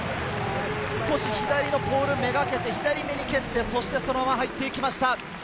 少し左のポール目がけて、左気味に切ってそのまま入っていきました。